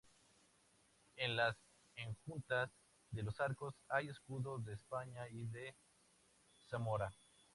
En las enjutas de los arcos hay escudos de España y de Zamora.